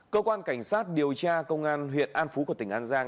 cơ quan cảnh sát điều tra công an huyện an phú của tỉnh an giang